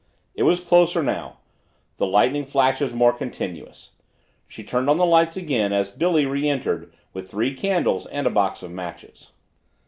It was closer now the lightning flashes more continuous. She turned on the lights again as Billy re entered with three candles and a box of matches.